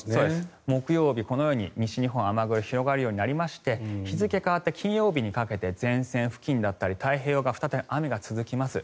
木曜日このように西日本に雨雲が広がるようになって日付変わって金曜日にかけて前線付近だったり太平洋側再び雨が続きます。